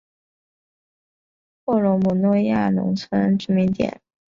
霍罗姆诺耶农村居民点是俄罗斯联邦布良斯克州克利莫沃区所属的一个农村居民点。